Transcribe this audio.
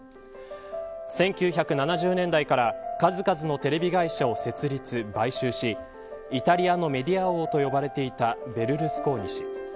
１９７０年代から数々のテレビ会社を設立、買収しイタリアのメディア王と呼ばれていたベルルスコーニ氏。